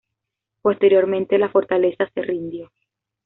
Posteriormente, la fortaleza se rindió.